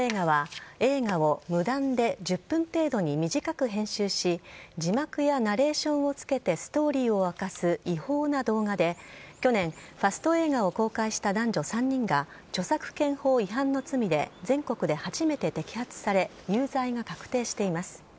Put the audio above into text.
短く編集し字幕やナレーションをつけてストーリーを明かす違法な動画で去年、ファスト映画を公開した男女３人が著作権法違反の罪で全国で初めて摘発され有罪が確定しています。